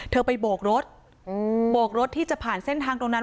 เธอไปโบกรถโบกรถที่จะผ่านเส้นทางตรงนั้น